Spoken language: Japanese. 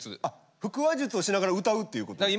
腹話術をしながら歌うっていうことですか？